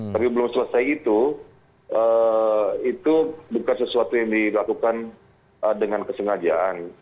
tapi belum selesai itu itu bukan sesuatu yang dilakukan dengan kesengajaan